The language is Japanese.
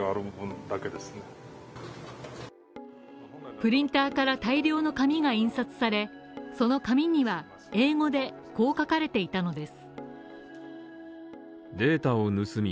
プリンターから大量の紙が印刷され、その上には英語でこう書かれていたのです。